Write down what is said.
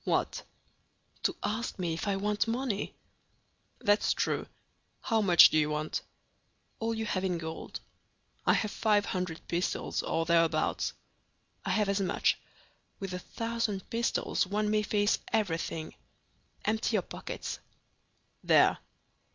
"What?" "To ask me if I want money." "That's true. How much do you want?" "All you have in gold." "I have five hundred pistoles, or thereabouts." "I have as much. With a thousand pistoles one may face everything. Empty your pockets." "There."